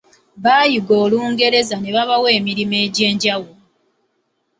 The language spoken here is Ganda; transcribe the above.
Bayiga Olungereza ne babawa emirimu egy’enjawulo.